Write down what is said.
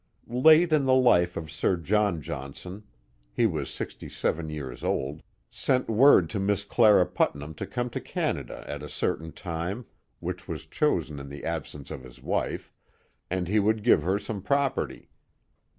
Late in life Sir John Johnson (he was sixty seven years old) sent word to Miss Clara Putnam to come to Canada at a certain time (which was chosen in Ihe absence of his wife), and he would give her some property.